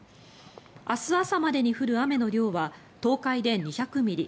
明日朝までに降る雨の量は東海で２００ミリ